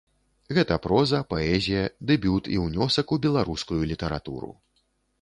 Гэта проза, паэзія, дэбют і ўнёсак у беларускую літаратуру.